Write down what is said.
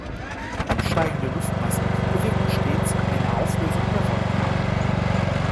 Absteigende Luftmassen bewirken stets eine Auflösung der Wolken.